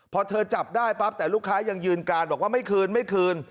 พอเธอจับได้ปั๊บแต่ลูกค้ายังยืนการบอกว่าไม่คืนไม่คืน